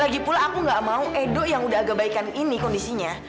lagipula aku gak mau edo yang udah agak baikkan ini kondisinya